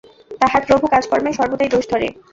তাহার প্রভু কাজকর্মে সর্বদাই দোষ ধরে।